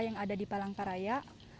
yang ada di palangkaraya